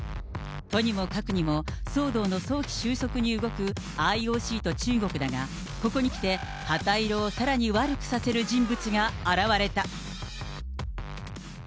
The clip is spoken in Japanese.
とにもかくにも、騒動の早期収束に動くＩＯＣと中国だが、ここにきて、旗色をさらに悪くさせる人物が現れた。